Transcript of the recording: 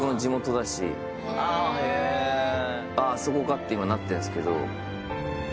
あっあそこかって今なってんすけど。